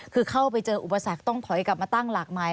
คือเข้าไปเจออุปสรรคต้องถอยกลับมาตั้งหลากหลาย